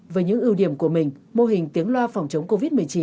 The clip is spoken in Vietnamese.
với những ưu điểm của mình mô hình tiếng loa phòng chống covid một mươi chín